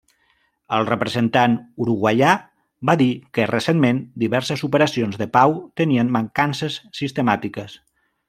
El representant uruguaià va dir que recentment diverses operacions de pau tenien mancances sistemàtiques.